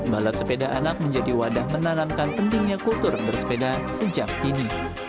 balap sepeda anak menjadi wadah menanamkan pentingnya kultur bersepeda sejak dini